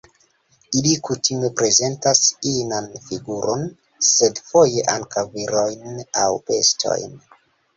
Ili kutime prezentas inan figuron, sed foje ankaŭ virojn aŭ bestojn.